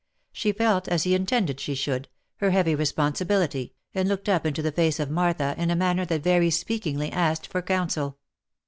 She felt, as he intended she should, her heavy responsi bility, and looked up into the face of Martha in a manner that very speakingly asked for counsel.